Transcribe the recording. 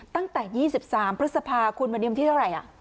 ตั้งแต่ยี่สิบสามพฤษภาคุณวันนี้วันที่เท่าไรอ่ะ